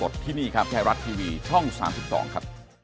ที่นี่ครับไทยรัฐทีวีช่อง๓๒ครับ